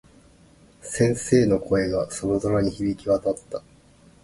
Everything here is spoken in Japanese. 先生の声が、寒空に響き渡った。